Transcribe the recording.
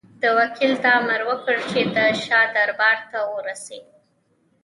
ده وکیل ته امر وکړ چې د شاه دربار ته ورسي.